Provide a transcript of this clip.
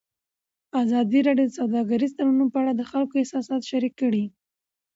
ازادي راډیو د سوداګریز تړونونه په اړه د خلکو احساسات شریک کړي.